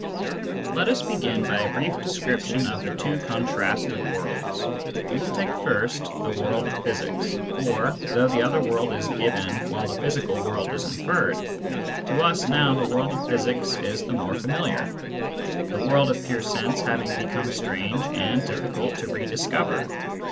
Let us begin by a brief description of the two con trasted worlds. We will take first the world of physics. Digitized by Google I02 SCIENTIFIC METHOD IN PHILOSOPHY for, though the other world is given while the physical world is inferred, to us now the world of physics is the more familiar, the world of pure sense having become strange and difficult to rediscover.